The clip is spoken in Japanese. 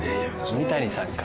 三谷さんか。